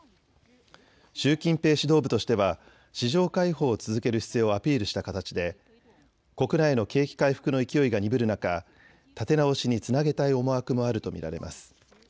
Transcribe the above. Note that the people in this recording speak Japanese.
習近平指導部としては市場開放を続ける姿勢をアピールした形で国内の景気回復の勢いが鈍る中、立て直しにつなげたい思惑もあると見られます。